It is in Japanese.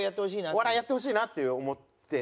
お笑いやってほしいなって思って。